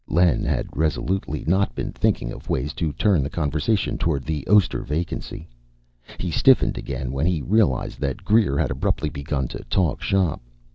Len had resolutely not been thinking of ways to turn the conversation toward the Oster vacancy. He stiffened again when he realized that Greer had abruptly begun to talk shop.